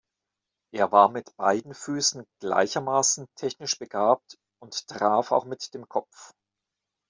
Er war mit beiden Füßen gleichermaßen technisch begabt und traf auch mit dem Kopf.